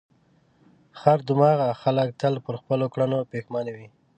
خر دماغه خلک تل پر خپلو کړنو پښېمانه وي.